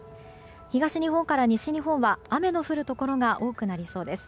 東日本から西日本は雨の降るところが多くなりそうです。